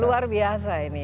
luar biasa ini